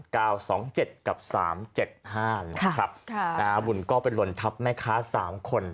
เก้าสองเจ็ดกับสามเจ็ดห้านะครับค่ะค่ะอ่าบุญก็เป็นหล่นทับแม่ค้าสามคน